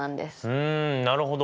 うんなるほど。